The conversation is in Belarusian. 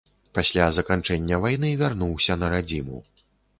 Пасля заканчэння вайны вярнуўся на радзіму.